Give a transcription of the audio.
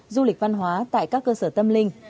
du lịch văn hóa tại các cơ sở tâm linh